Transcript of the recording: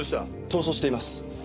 逃走しています。